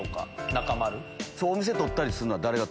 お店取ったりするのは誰が？